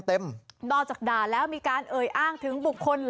นอกจากด่าแล้วมีการเอ่ยอ้างถึงบุคคล